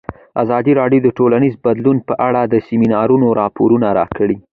ازادي راډیو د ټولنیز بدلون په اړه د سیمینارونو راپورونه ورکړي.